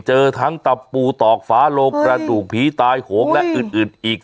เจอทั้งตะปูตอกฝาโลกระดูกผีตายโหงและอื่นอีก